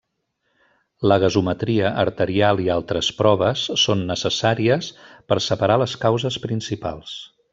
La gasometria arterial i altres proves són necessàries per separar les causes principals.